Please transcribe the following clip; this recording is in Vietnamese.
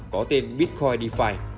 có tên bitcoin defi